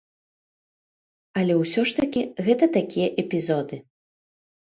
Але ўсё ж такі гэта такія эпізоды.